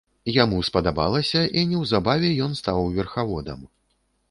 Яму спадабалася, і неўзабаве ён стаў верхаводам.